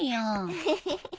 フフフ。